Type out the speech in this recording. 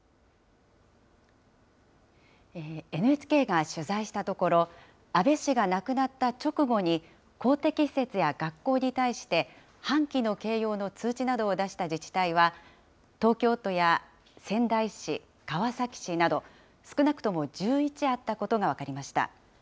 ＮＨＫが取材したところ、安倍氏が亡くなった直後に、公的施設や学校に対して、半旗の掲揚の通知などを出した自治体は、東京都や仙台市、川崎市など、少なくとも１１あったことが分かりました。